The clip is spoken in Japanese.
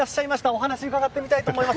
お話を伺ってみたいと思います。